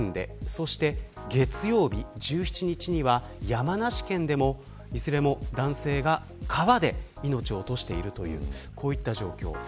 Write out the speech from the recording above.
そして月曜日１７日には山梨県でもいずれも男性が川で命を落としているというこういった状況。